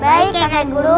baik kakak guru